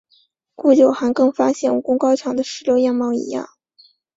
古九寒更发现武功高强的石榴样貌一样。